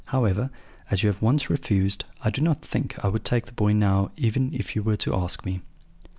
However, as you have once refused, I do not think I would take the boy now if you were to ask me.'